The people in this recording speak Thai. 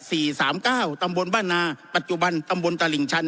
สามเก้าตำบลบ้านนาปัจจุบันตำบลตลิ่งชัน